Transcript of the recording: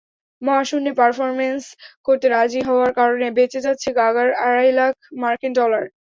মহাশূন্যে পারফর্মম্যান্স করতে রাজি হওয়ার কারণে বেচে যাচ্ছে গাগার আড়াই লাখ মার্কিন ডলার।